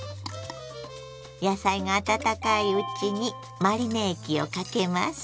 野菜が温かいうちにマリネ液をかけます。